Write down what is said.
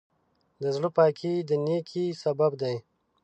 د زړۀ پاکي د نیکۍ سبب دی.